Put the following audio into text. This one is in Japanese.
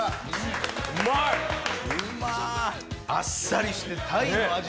あっさりして鯛の味